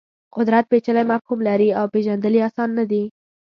قدرت پېچلی مفهوم لري او پېژندل یې اسان نه دي.